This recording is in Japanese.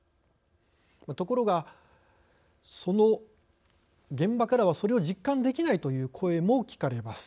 ところがその現場からはそれを実感できないという声も聞かれます。